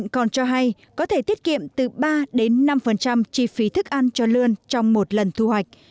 còn cho hay có thể tiết kiệm từ ba đến năm chi phí thức ăn cho lươn trong một lần thu hoạch